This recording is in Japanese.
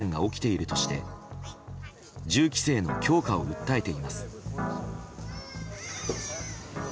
銃撃事件が起きているとして銃規制の強化を訴えています。